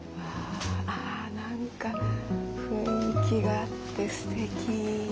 何か雰囲気があってすてき。